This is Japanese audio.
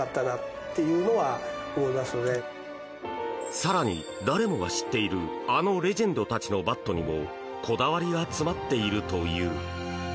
更に、誰もが知っているあのレジェンドたちのバットにもこだわりが詰まっているという。